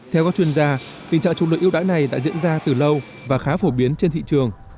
theo các chuyên gia tình trạng trục lợi yêu đáy này đã diễn ra từ lâu và khá phổ biến trên thị trường